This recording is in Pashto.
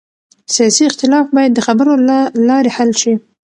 سیاسي اختلاف باید د خبرو له لارې حل شي